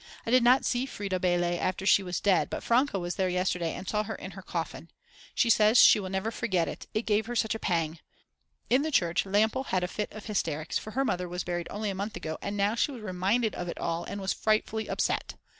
I did not see Frieda Belay after she was dead, but Franke was there yesterday and saw her in her coffin. She says she will never forget it, it gave her such a pang. In the church Lampl had a fit of hysterics, for her mother was buried only a month ago and now she was reminded of it all and was frightfully upset.